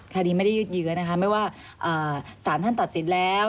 คดีไม่ได้ยืดเยื้อนะคะไม่ว่าสารท่านตัดสินแล้ว